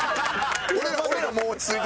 俺らもう落ち着いてるで。